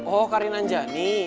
oh karin anjani